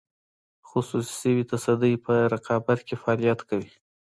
خصوصي شوې تصدۍ په رقابت کې فعالیت کوي.